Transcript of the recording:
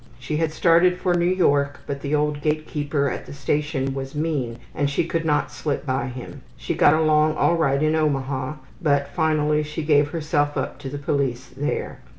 She had started for New York, but the old gatekeeper at the station was mean and she could not slip by him. She got along all right in Omaha, but finally she gave herself up to the police there.